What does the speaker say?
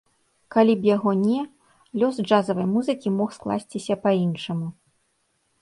Калі б яго не, лёс джазавай музыкі мог скласціся па-іншаму.